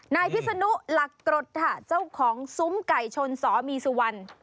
นายพิศนุหลักกรดค่ะเจ้าของซุ้มไก่ชนสมีสุวรรณ